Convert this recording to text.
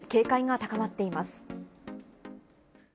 警戒が高まっています。